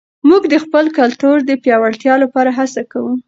موږ د خپل کلتور د پیاوړتیا لپاره هڅه کوو.